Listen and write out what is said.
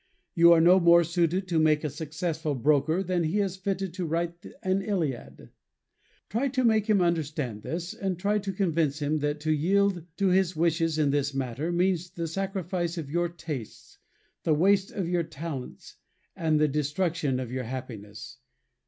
You are no more suited to make a successful broker than he is fitted to write an Iliad. Try and make him understand this, and try and convince him that to yield to his wishes in this matter, means the sacrifice of your tastes, the waste of your talents, and the destruction of your happiness.